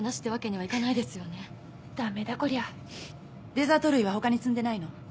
デザート類はほかに積んでないの？